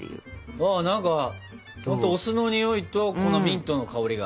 あ何かお酢のにおいとこのミントの香りが。